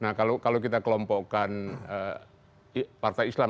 nah kalau kita kelompokkan partai islam